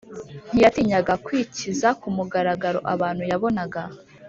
ntiyatinyaga kwikiza ku mugaragaro abantu yabonaga